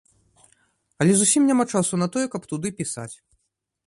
Але зусім няма часу на тое, каб туды пісаць!